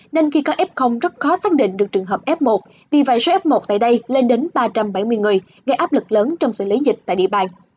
nên khi có f rất khó xác định được trường hợp f một vì vậy số f một tại đây lên đến ba trăm bảy mươi người gây áp lực lớn trong xử lý dịch tại địa bàn